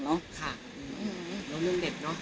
แล้วเรื่องเด็ดเนอะ